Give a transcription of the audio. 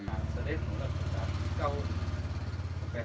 สวัสดีทุกคน